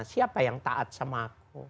siapa yang taat sama aku